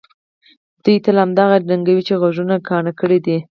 دوی تل هماغه ډنګوي چې غوږونه کاڼه کړي دي.